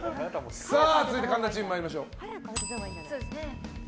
続いて神田チーム参りましょう。